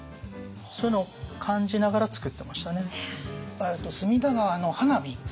そういうのを感じながら作ってましたね。